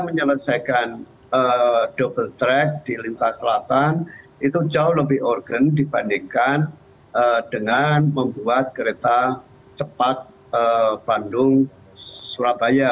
menyelesaikan double track di lintas selatan itu jauh lebih urgent dibandingkan dengan membuat kereta cepat bandung surabaya